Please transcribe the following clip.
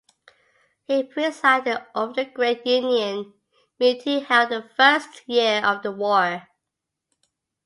He presided over the great Union meeting held the first year of the war.